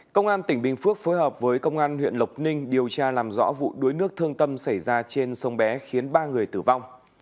công an tỉnh bình phước phối hợp với công an huyện lộc ninh điều tra làm rõ vụ đuối nước thương tâm xảy ra trên sông bé khiến ba người tử vong